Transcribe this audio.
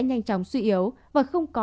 nhanh chóng suy yếu và không có